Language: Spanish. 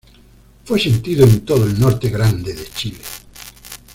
Fue sentido en todo el Norte Grande de Chile.